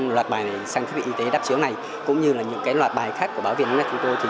loạt bài này sang các vị y tế đáp chiếu này cũng như là những cái loạt bài khác của báo viện nước này chúng tôi